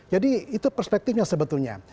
jadi itu perspektifnya sebetulnya